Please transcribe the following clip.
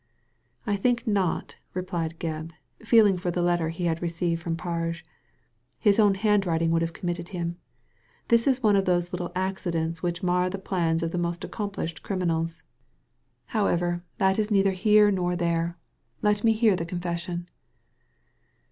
••I think not," replied Gebb, feeling for the letter he had received from Parge ;his own hand* writing would have committed him. This is one of those little accidents which mar the plans of the most accomplished criminals. However, that Digitized by Google 262 THE LADY FROM NOWHERE is neither here nor there. Let me hear the con fession."